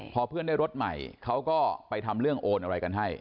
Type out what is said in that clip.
พอเพื่อนได้รถใหม่เขาก็ไปทำเรื่องโอนอะไรกันให้